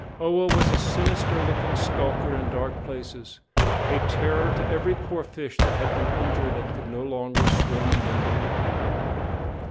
Oa was a sinister looking skulker in dark places, a terror to every poor fish that had been injured and could no longer swim nimbly about.